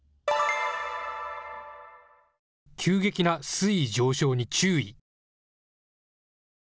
急激な水位上昇に注意。